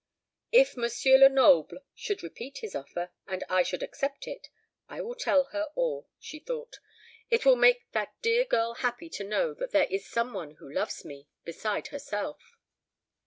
"If M. Lenoble should repeat his offer, and I should accept it, I will tell her all," she thought. "It will make that dear girl happy to know that there is some one who loves me, besides herself."